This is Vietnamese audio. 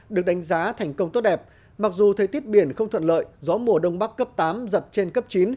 được đánh giá thành công tốt đẹp mặc dù thời tiết biển không thuận lợi gió mùa đông bắc cấp tám giật trên cấp chín